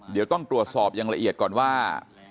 เดี๋ยวต้องตรวจสอบอย่างละเอียดก่อนว่า